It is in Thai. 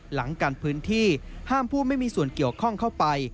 หลังกันพื้นที่ห้ามผู้ไม่มีส่วนเกี่ยวข้องเข้าไป